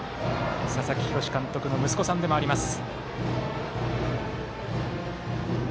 佐々木洋監督の息子さんでもあります。